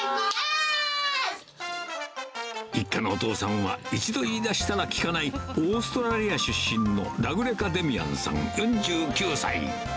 一家のお父さんは一度言いだしたら聞かない、オーストラリア出身のラグレカ・デミアンさん４９歳。